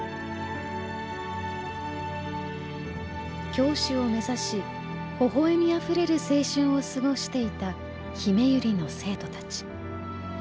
教師を目指しほほえみあふれる青春を過ごしていたひめゆりの生徒たち。